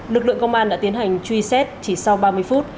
lực lượng công an đã tiến hành truy xét chỉ sau ba mươi phút